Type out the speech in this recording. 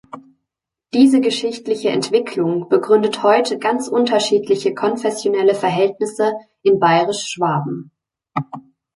Diese geschichtliche Entwicklung begründet heute ganz unterschiedliche konfessionelle Verhältnisse in Bayerisch-Schwaben.